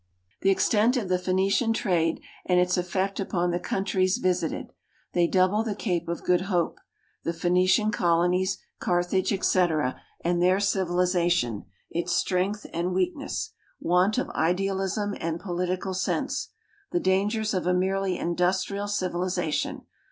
The extent of the Phoenician trade, and its effect upon the countries visited. They double the Cape of Good Hope. The Phoenician colo nies, Carthage, etc., and their civilization: its strength and weakness. Want of idealism and political sense. The dangers of a merely industrial civilization.